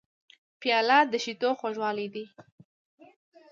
پیاله د شیدو خوږوالی لري.